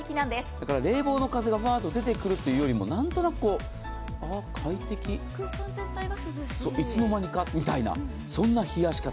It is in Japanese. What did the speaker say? だから冷房の風がふぁっと出てくるというよりも、あ、快適、いつの間にかみたいな、そんな冷やし方。